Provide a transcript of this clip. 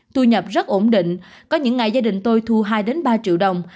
thu nhập rất ổn định có những ngày gia đình tôi thu hai ba triệu đồng